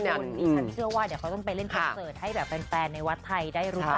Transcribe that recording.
คุณดิฉันเชื่อว่าเดี๋ยวเขาต้องไปเล่นคอนเสิร์ตให้แบบแฟนในวัดไทยได้รู้จัก